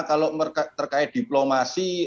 kalau terkait diplomasi